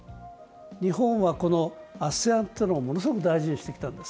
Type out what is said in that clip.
日本はＡＳＥＡＮというのをものすごく大事にしてきたんです。